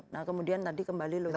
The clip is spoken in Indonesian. nah kemudian tadi kembali logistik